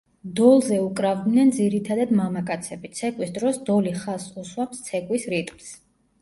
დოლზე უკრავენ ძირითადად მამაკაცები; ცეკვის დროს დოლი ხაზს უსვამს ცეკვის რიტმს.